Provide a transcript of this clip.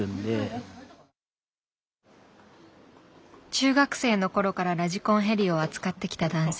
中学生の頃からラジコンヘリを扱ってきた男性。